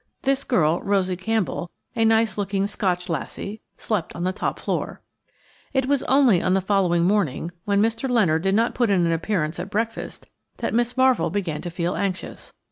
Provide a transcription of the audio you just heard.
This girl, Rosie Campbell, a nice looking Scotch lassie, slept on the top floor. It was only on the following morning, when Mr. Leonard did not put in an appearance at breakfast, that Miss Marvell began to feel anxious.